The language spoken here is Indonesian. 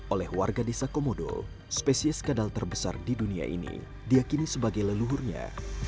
oleh warga desa komodo spesies kadal terbesar di dunia ini diakini sebagai leluhurnya